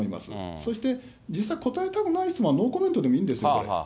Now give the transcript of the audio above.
そして、実際答えたくない質問はノーコメントでもいいんですよ、これ。